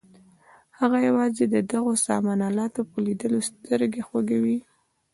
هغه یوازې د دغو سامان الاتو په لیدلو سترګې خوږوي.